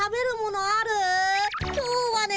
今日はね